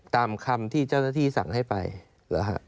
ตามคำที่เจ้าหน้าที่สั่งให้ไปหรือฮะ